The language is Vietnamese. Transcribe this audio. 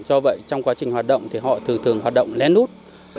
do vậy trong quá trình hoạt động thì họ thường thường hoạt động lén lút